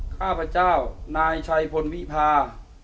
ข้าพเจ้านายชัยพลวิพา